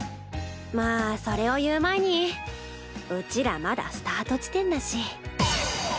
まあそれを言う前にうちらまだスタート地点だし。